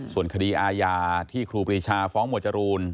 ส่วนคดีอาญาที่ครูปรีชาฟ้องหมวดจรูน